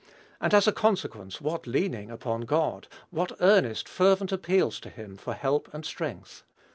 and, as a consequence, what leaning upon God! what earnest, fervent appeals to him for help and strength!